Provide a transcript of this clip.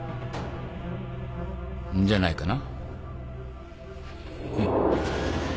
じゃないかな？